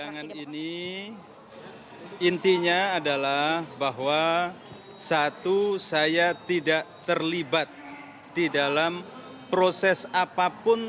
persidangan ini intinya adalah bahwa satu saya tidak terlibat di dalam proses apapun